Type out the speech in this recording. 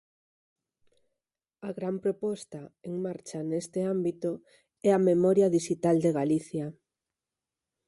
A gran proposta en marcha neste ámbito é a Memoria dixital de Galicia.